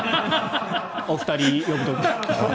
お二人、呼ぶ時に。